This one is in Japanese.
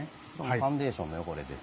ファンデーションの汚れですね。